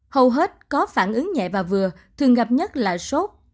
hầu hết có phản ứng nhẹ và vừa thường gặp nhất là sốt